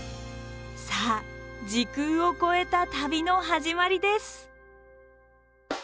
さあ時空を超えた旅の始まりです。